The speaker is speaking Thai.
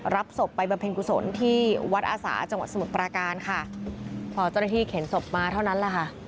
รับศพไปบำเพ็ญกุศลที่วัดอาสาจังหวัดสมุทรปราการค่ะพอเจ้าหน้าที่เข็นศพมาเท่านั้นแหละค่ะ